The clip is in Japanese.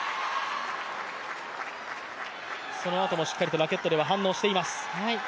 そのあともしっかりとラケットでは反応しています。